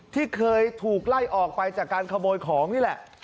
ที่เคยถูกไล่ออกไปจากการขโมยของนี่แหละ